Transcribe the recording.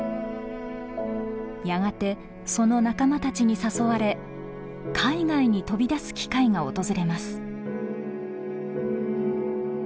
やがてその仲間たちに誘われ海外に飛び出す機会が訪れます。